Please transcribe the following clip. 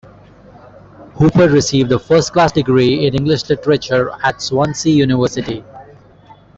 Hooper received a first class degree in English Literature at Swansea University.